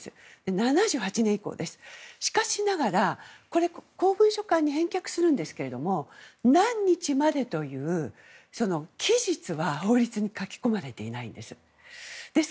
７８年以降、しかしながら公文書館に返却するんですけども何日までというその期日は法律に書き込まれていないんです。